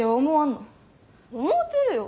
思うてるよ。